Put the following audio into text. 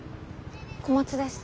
小松です。